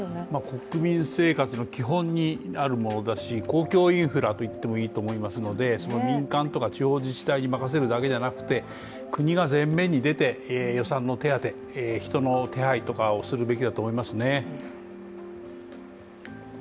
国民生活の基本になるものだし、公共インフラと言ってもいいと思いますので、その民間とか地方自治体に任せるだけじゃなくて国が前面に出て予算の手当て、人の手配などをするべきだと思いますね。